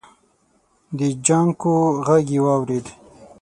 د جانکو غږ يې واورېد.